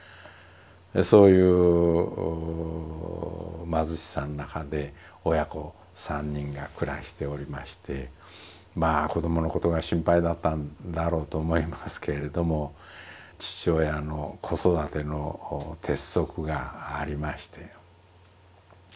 そういう貧しさの中で親子３人が暮らしておりましてまあ子どものことが心配だったんだろうと思いますけれども父親の子育ての鉄則がありまして。